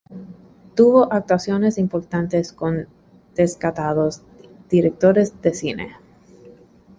Tuvo actuaciones importantes con destacados directores de cine.